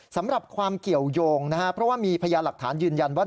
สำหรับความเกี่ยวยงนะครับเพราะว่ามีพยานหลักฐานยืนยันว่า